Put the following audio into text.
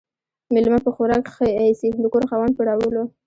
ميلمه په خوراک ِښه ايسي ، د کور خاوند ، په راوړلو.